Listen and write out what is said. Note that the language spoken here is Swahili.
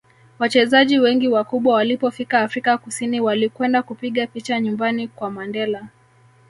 wachezaji wengi wakubwa walipofika afrika kusini walikwenda kupiga picha nyumbani kwa mandela